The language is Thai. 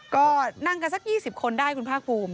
ก็นั่งกันสัก๒๐คนได้คุณภาคภูมิ